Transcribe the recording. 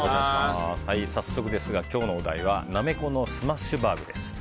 早速ですが今日のお題はナメコのスマッシュバーグです。